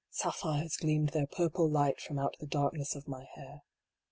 Sapphires gleamed their purple light from out the dark ness of my hair.